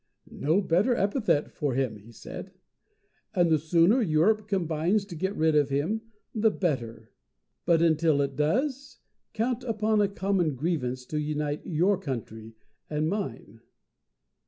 "No better epithet for him," he said. "And the sooner Europe combines to get rid of him the better. But until it does, count upon a common grievance to unite your country and mine."